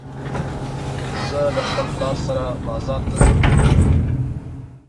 زه له خپل پلار سره بازار ته ځم